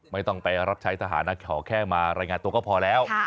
ไม่ต้องไปรับใช้ทหารนะเขาแค่มารายงานตัวก็พอแล้ว